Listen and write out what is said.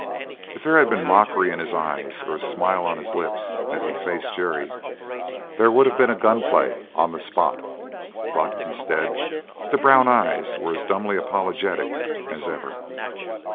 If there had been mockery in his eyes or a smile on his lips as he faced Jerry there would have been a gun play on the spot; but, instead, the brown eyes were as dumbly apologetic as ever.